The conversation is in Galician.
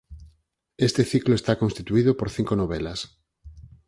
Este ciclo está constituído por cinco novelas.